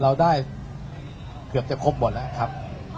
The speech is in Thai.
เราได้เกือบจะครบหมดแล้วครับ